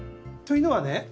というのはね